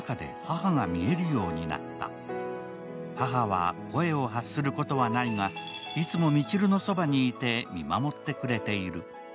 母は声を発することはないが、いつも、みちるのそばにいて見守ってくれている。